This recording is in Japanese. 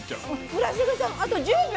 村重さんあと１０秒。